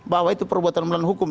bahwa itu perbuatan melawan hukum